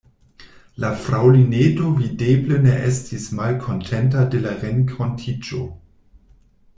La fraŭlineto videble ne estis malkontenta de la renkontiĝo.